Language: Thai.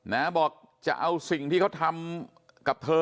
นะบอกจะเอาสิ่งที่เขาทำกับเธอ